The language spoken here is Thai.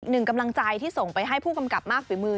หนึ่งกำลังใจที่ส่งไปให้ผู้กำกับมากฝีมือ